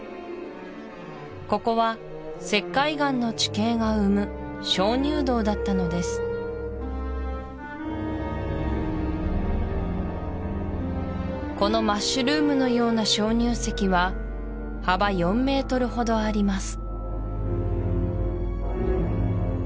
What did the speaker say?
ここは石灰岩の地形が生む鍾乳洞だったのですこのマッシュルームのような鍾乳石は幅４ｍほどあります